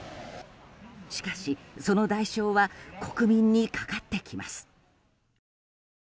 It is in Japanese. しかし、その代償は国民にかかってきます。